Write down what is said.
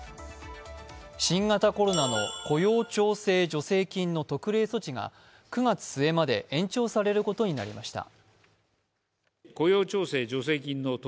新型コロナの雇用調整助成金の特例措置が９月末まで延長されることになりました。